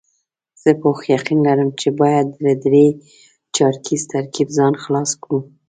زه پوخ یقین لرم چې باید له درې چارکیز ترکیب ځان خلاص کړو.